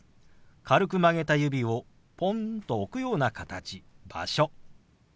軽く曲げた指をポンと置くような形「場所」。